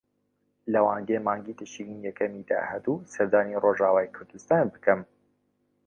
لەوانەیە مانگی تشرینی یەکەمی داهاتوو سەردانی ڕۆژاوای کوردستان بکەم.